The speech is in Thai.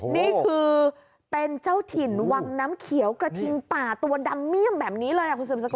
นี่คือเป็นเจ้าถิ่นวังน้ำเขียวกระทิงป่าตัวดำเมี่ยมแบบนี้เลยคุณสืบสกุ